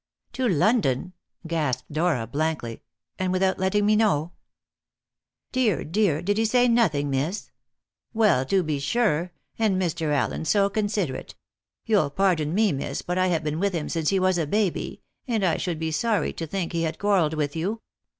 "To London?" gasped Dora blankly, "and without letting me know?" "Dear, dear; did he say nothing, miss? Well, to be sure! and Mr. Allen so considerate! You'll pardon me, miss, but I have been with him since he was a baby, and I should be sorry to think he had quarrelled with you.